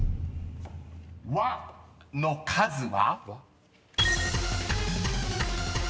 ［「わ」の数は？］